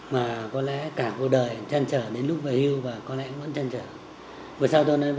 mà có lẽ cả cuộc đời trăn trở đến lúc về hưu và có lẽ cũng vẫn trăn trở